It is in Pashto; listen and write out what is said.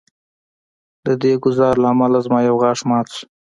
د دې ګزار له امله زما یو غاښ مات شو